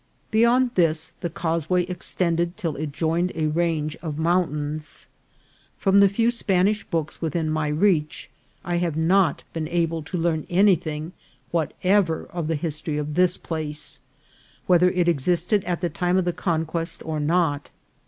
Beyond this the causeway extend ed till it joined a range of mountains. From the few Spanish books within my reach I have not been able to learn anything whatever of the history of this place, whether it existed at the time of the conquest or not.